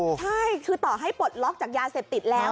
ใช่คือต่อให้ปลดล็อกจากยาเสพติดแล้ว